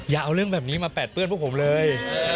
อย่าเอาเรื่องแบบนี้มาแปดเปื้อนพวกผมเลย